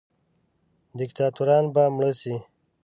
دیکتاتوران به مړه سي.